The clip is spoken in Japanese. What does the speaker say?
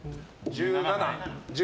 １７。